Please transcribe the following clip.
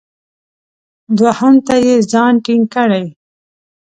دوهم ته یې ځان ټینګ کړی.